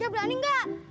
dia berani enggak